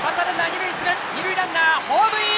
二塁ランナー、ホームイン！